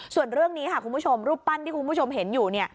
ส่วนเรื่องนี้ค่ะคุณผู้ชมรูปปั้นที่คุณผู้ชมเห็นอยู่เนี่ย